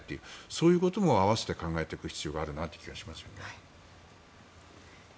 そういうことも合わせて考えていく必要があるなと思いますね。